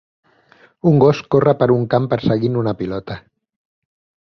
Un gos corre per un camp perseguint una pilota.